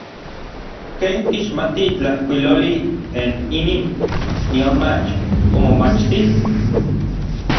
¿Ken kixmati tlajkuiloli n inin, nionmach omomachtij?